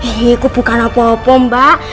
ih itu bukan apa apa mbak